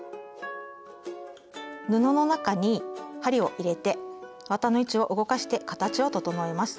布の中に針を入れて綿の位置を動かして形を整えます。